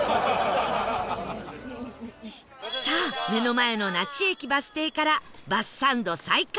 さあ目の前の那智駅バス停からバスサンド再開